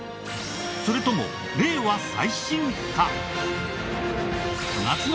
それとも令和最新か？